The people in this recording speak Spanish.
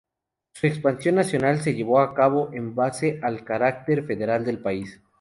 Su expansión nacional se llevó a cabo en base al carácter federal del país.